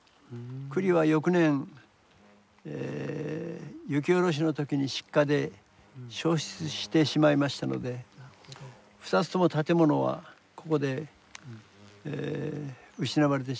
庫裏は翌年雪下ろしの時に失火で焼失してしまいましたので２つとも建物はここで失われてしまいましたけれども。